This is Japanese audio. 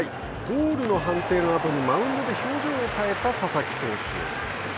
ボールの判定のあとにマウンドで表情を変えた佐々木投手。